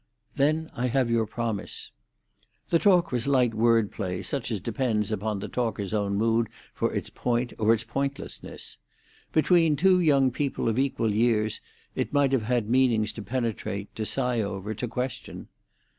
"Then I have your promise." The talk was light word play, such as depends upon the talker's own mood for its point or its pointlessness. Between two young people of equal years it might have had meanings to penetrate, to sigh over, to question.